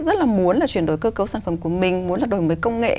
rất là muốn là chuyển đổi cơ cấu sản phẩm của mình muốn là đổi mới công nghệ